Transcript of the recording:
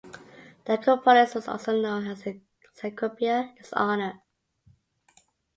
The Acropolis was also known as the Cecropia in his honor.